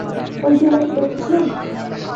ঐ যে ওনাকে দেখছ?